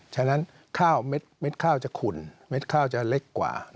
ฉะนั้นข้าวเม็ดข้าวจะขุ่นเม็ดข้าวจะเล็กกว่า